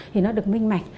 thì nó được minh mạch